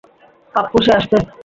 পাপ্পু, সে আসছে।